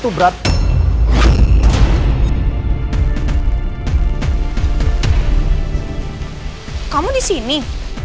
kenapa elsa tiba tiba datang ke sini sih